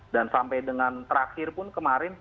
dan sampai dengan terakhir pun kemarin